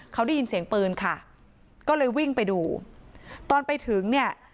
เขาได้ยินเสียงปืนค่ะก็เลยวิ่งไปดูตอนไปถึงเนี่ย